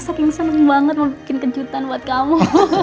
saking seneng banget mau bikin kejutan buat kamu